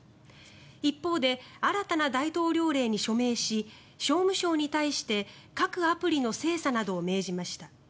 一方で新たな大統領令に署名し商務省に対して各アプリの精査などを命じました。